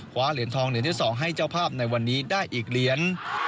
เหรียญทองเหรียญที่๒ให้เจ้าภาพในวันนี้ได้อีกเหรียญ